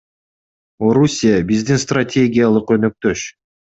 Орусия — биздин стратегиялык өнөктөш.